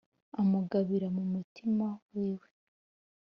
amugabira mu mutima wiwe.